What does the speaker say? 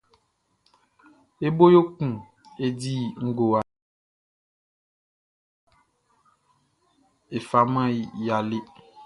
E bo yo kun e di ngowa, e faman ya lɛ.